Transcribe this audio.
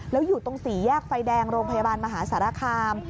แล้วอยู่ตรงสี่แยกไฟแดงโรงพยาบาลมหาสารคาม